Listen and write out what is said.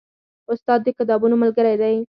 استاد د کتابونو ملګری دی.